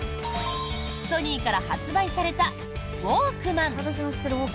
ソニーから発売されたウォークマン。